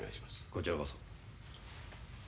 こちらこそ。